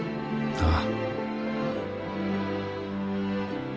ああ。